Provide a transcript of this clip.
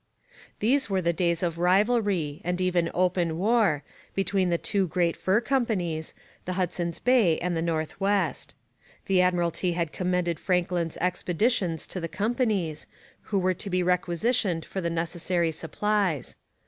These were the days of rivalry, and even open war, between the two great fur companies, the Hudson's Bay and the North West. The Admiralty had commended Franklin's expeditions to the companies, who were to be requisitioned for the necessary supplies.